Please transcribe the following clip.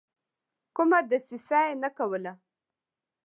کومه دسیسه نه کوله.